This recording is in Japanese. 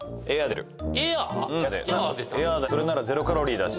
それならゼロカロリーだし。